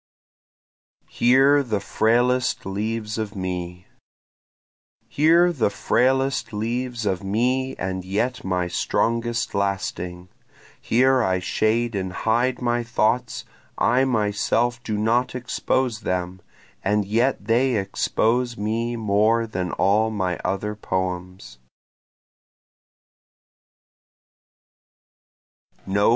Here the Frailest Leaves of Me Here the frailest leaves of me and yet my strongest lasting, Here I shade and hide my thoughts, I myself do not expose them, And yet they expose me more than all my other poems.